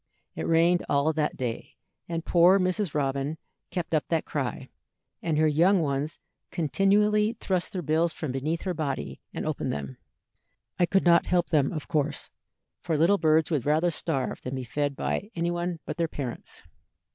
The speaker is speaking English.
It rained all that day, and poor Mrs. Robin kept up that cry, and her young ones continually thrust their bills from beneath her body, and opened them. I could not help them, of course, for little birds would rather starve than be fed by any one but their parents.